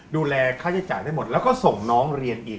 ดูแลค่าใช้จ่ายได้หมดแล้วก็ส่งน้องเรียนอีก